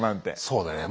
そうだね。